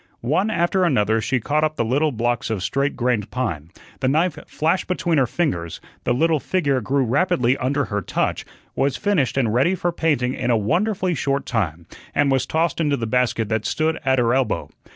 One after another she caught up the little blocks of straight grained pine, the knife flashed between her fingers, the little figure grew rapidly under her touch, was finished and ready for painting in a wonderfully short time, and was tossed into the basket that stood at her elbow.